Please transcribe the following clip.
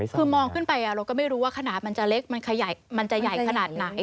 คือมองขึ้นไปเราก็ไม่รู้ว่าขนาดมันจะเล็กมันจะใหญ่ขนาดไหน